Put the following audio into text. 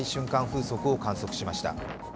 風速を観測しました。